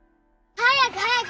早く早く！